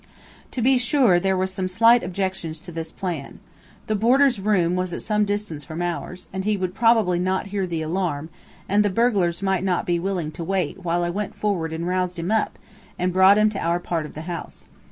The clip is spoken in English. To be sure, there were some slight objections to this plan. The boarder's room was at some distance from ours, and he would probably not hear the alarm, and the burglars might not be willing to wait while I went forward and roused him up, and brought him to our part of the house.